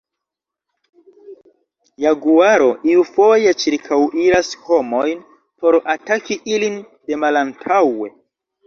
Jaguaro iufoje ĉirkaŭiras homojn por ataki ilin de malantaŭe.